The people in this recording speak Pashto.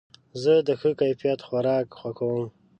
زه د ښه کیفیت خوراک خوښوم.